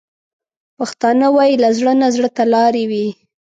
پښتانه وايي: له زړه نه زړه ته لارې وي.